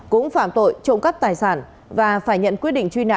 cũng phạm tội trộm cắp tài sản và phải nhận quyết định truy nã